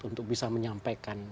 untuk bisa menyampaikan